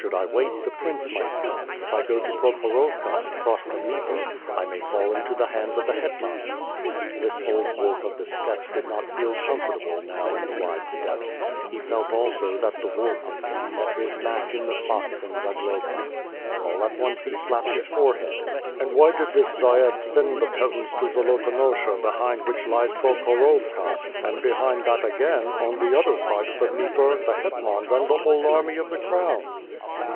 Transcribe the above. Should I wait, the Prince might come, if I go to Prokhorovka and cross the Dnieper, I may fall into the hands of the hetmans. This old wolf of the steppes did not feel comfortable now in the wide steppes. He felt also that the wolf in him met his match in the fox in Zagloba. All at once he slapped his forehead. "And why did this dziad send the peasants to Zolotonosha behind which lies Prokhorovka, and behind that again, on the other side of the Dnieper, the hetmans and the whole army of the crown?"